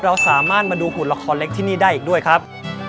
เราสามารถมาดูหุ่นละครเล็กที่นี่ได้อีกด้วยครับ